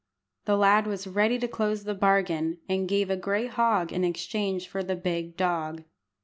The lad was ready to close the bargain, and gave a gray hog in exchange for the big dog.